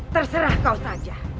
terserah kau saja